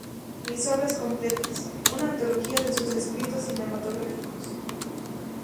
Mis sobras completas", una antología de sus escritos cinematográficos.